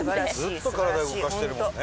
ずっと体動かしてるもんね。